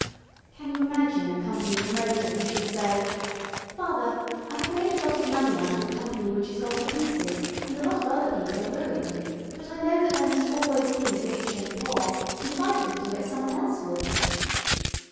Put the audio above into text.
Can you imagine a company promoter who should say: "Father, I have made a lot of money out of a company which has gone to pieces, and a lot of other people are ruined, but I know that there must always be rich and poor, and if I didn't do it some one else would"?